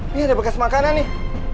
ini ada bekas makanan nih